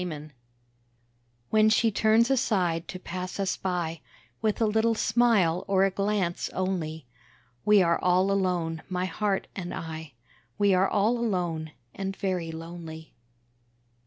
TO —— When she turns aside to pass us by, With a little smile or a glance only We are all alone, my Heart and I, We are all alone, and very lonely.